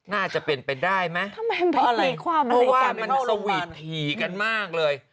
น่าจะเป็นไปได้มั้ยเพราะว่ามันสวีตถี่กันมากเลย